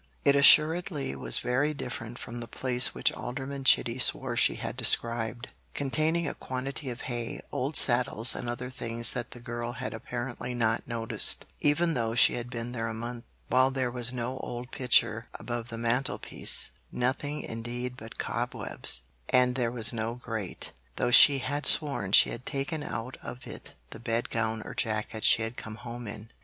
It assuredly was very different from the place which Alderman Chitty swore she had described, containing a quantity of hay, old saddles, and other things that the girl had apparently not noticed, even though she had been there a month; while there was no old picture above the mantelpiece nothing, indeed, but cobwebs and there was no grate, though she had sworn she had taken out of it the bedgown or jacket she had come home in.